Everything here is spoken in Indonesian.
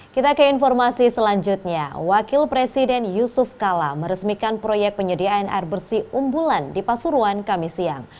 kita ke informasi selanjutnya wakil presiden yusuf kala meresmikan proyek penyediaan air bersih umbulan di pasuruan kami siang